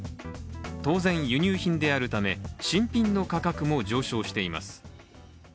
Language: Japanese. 当然、輸入品であるため新品の価格も上昇しています。